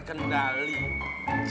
geri digeri digeri